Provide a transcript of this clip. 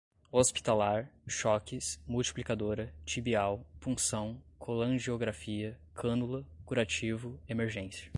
hospitalar, choques, multiplicadora, tibial, punção, colangiografia, cânula, curativo, emergência